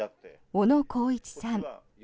小野耕一さん。